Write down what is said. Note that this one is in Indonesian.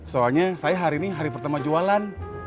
soalnya saya hari ini hari pertama jualan